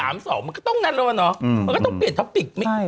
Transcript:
มันก็ต้องนั่นแล้วอะเนาะมันก็ต้องเปลี่ยนท็อปปิก